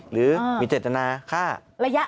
หรือมีเจตนาฆ่า